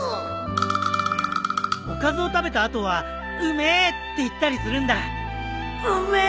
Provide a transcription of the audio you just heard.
おかずを食べた後は「うめぇ」って言ったりするんだ。